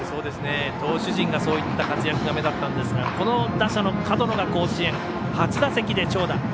投手陣がそういった活躍が目立ったんですがこの打者の門野が甲子園初打席で長打。